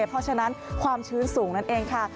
เพราะฉะนั้นความชื้นสูงนั่นเองค่ะ